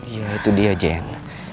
ya itu dia jen